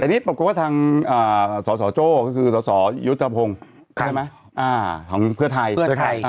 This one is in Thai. แต่นี่ปรากฏว่าทางอ่าส่อส่อโจ้ก็คือส่อส่อยุธกระพงใช่ไหมอ่าของเพื่อไทยเพื่อไทย